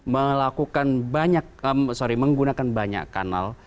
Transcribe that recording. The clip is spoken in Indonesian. melakukan banyak sorry menggunakan banyak kanal